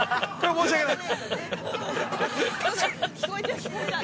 申し訳ない。